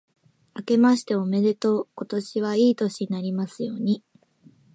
あけましておめでとう。今年はいい年になりますように。